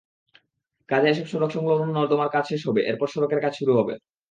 আগে এসব সড়ক-সংলগ্ন নর্দমার কাজ শেষ হবে, এরপর সড়কের কাজ শুরু হবে।